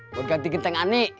buat ganti genteng ani